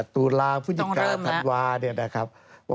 ตุลาพฤศจิกาธันวาเนี่ยนะครับ